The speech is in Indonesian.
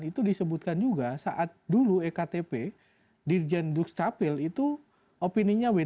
itu disebutkan juga saat dulu ektp dirjen dux capil itu opininya wtp